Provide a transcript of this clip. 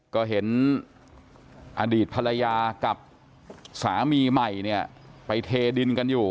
ก็เห็นอดีตภรรยากับสามีใหม่เนี่ยไปเทดินกันอยู่